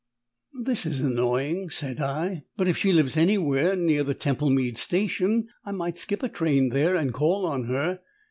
"This is annoying," said I; "but if she lives anywhere near the Temple Mead Station, I might skip a train there and call on her.